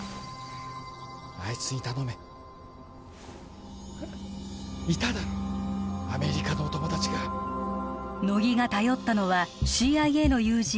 あいつに頼めえっいただろアメリカのお友達が乃木が頼ったのはＣＩＡの友人